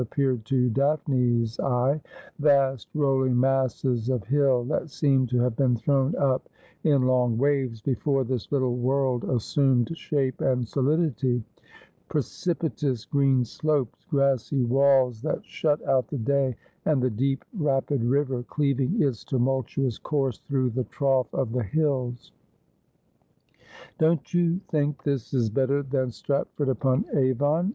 ppf'arcd tr Dajibne's eye ; vast rolling masses of hill that seemi u to havt been thrown up in long waves before this little world assumed shape and solidity ; precipitous green slopes, grassy walls thai ' But I wot test when ivringeth Me imj Sho.' 275 shut out the day, and the deep rapid river cleaving its tumultu ous course through the trough of the hills. ' Don't you think this is better than Stratford upon Avon